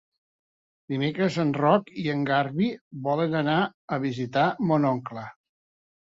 Dimecres en Roc i en Garbí volen anar a visitar mon oncle.